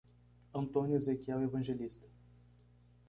Antônio Ezequiel Evangelista